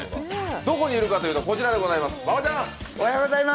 どこにいるかというと、こちらでございます。